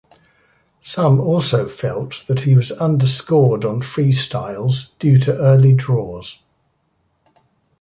Some also felt that he was underscored on freestyles due to early draws.